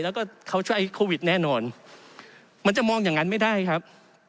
แล้วก็เขาใช้โควิดแน่นอนมันจะมองอย่างนั้นไม่ได้ครับ